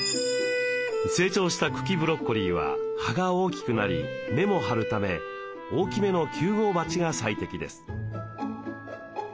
成長した茎ブロッコリーは葉が大きくなり根も張るため大きめの９号鉢が最適です。